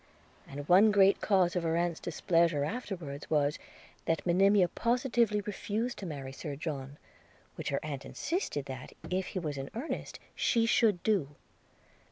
And one great cause of her aunt's displeasure afterwards was, that Monimia positively refused to marry Sir John, which her aunt insisted that, if he was in earnest, she should do.